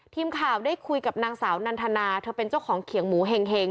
ทีมข่าวได้คุยกับนางสาวนันทนาเธอเป็นเจ้าของเขียงหมูเห็ง